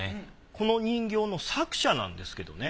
この人形の作者なんですけどね